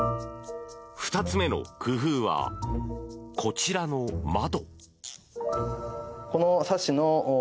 ２つ目の工夫は、こちらの窓。